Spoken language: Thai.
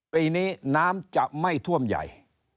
ปีนี้น้ำจะไม่ท่วมใหญ่